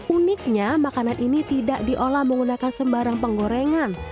uniknya makanan ini tidak diolah menggunakan sembarang penggorengan